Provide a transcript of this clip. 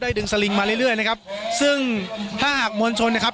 ดึงสลิงมาเรื่อยเรื่อยนะครับซึ่งถ้าหากมวลชนนะครับ